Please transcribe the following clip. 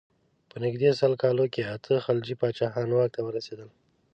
په نژدې سل کالو کې اته خلجي پاچاهان واک ته ورسېدل.